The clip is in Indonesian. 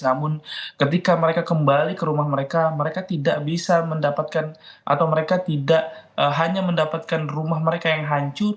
namun ketika mereka kembali ke rumah mereka mereka tidak bisa mendapatkan atau mereka tidak hanya mendapatkan rumah mereka yang hancur